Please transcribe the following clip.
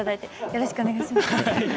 よろしくお願いします。